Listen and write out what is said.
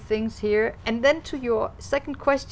cho sự quan hệ của chúng tôi